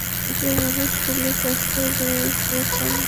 একেবারে শূলি কাষ্ঠের গোড়ায় গিয়ে থামল।